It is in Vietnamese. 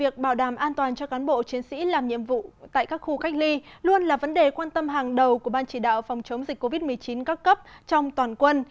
việc bảo đảm an toàn cho cán bộ chiến sĩ làm nhiệm vụ tại các khu cách ly luôn là vấn đề quan tâm hàng đầu của ban chỉ đạo phòng chống dịch covid một mươi chín các cấp trong toàn quân